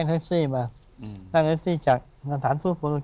ห้อยองค์นี้ไป